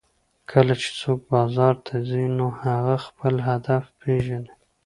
کله چې څوک بازار ته ځي نو هغه خپل هدف پېژني